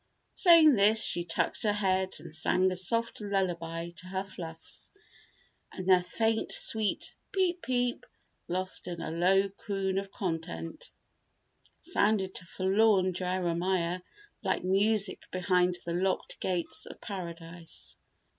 Saying this, she tucked her head and sang a soft lullaby to her fluffs, and their faint, sweet "peep, peep," lost in a low croon of content, sounded to forlorn Jeremiah like music behind the locked gates of paradise.